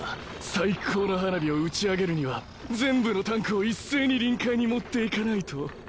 最高の花火を打ち上げるには全部のタンクを一斉に臨界に持っていかないと。